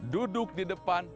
duduk di depan